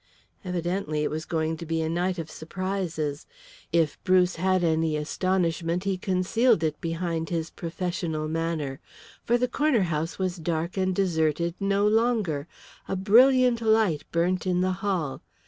Evidently it was going to be a night of surprises. If Bruce had any astonishment he concealed it behind his professional manner. For the corner house was dark and deserted no longer. A brilliant light burnt in the hall.